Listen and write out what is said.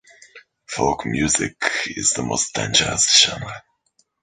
Folk music is the most dangerous genre.